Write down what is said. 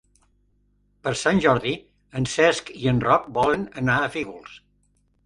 Per Sant Jordi en Cesc i en Roc volen anar a Fígols.